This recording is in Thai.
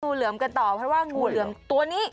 เหลือมกันต่อเพราะว่างูเหลือมตัวนี้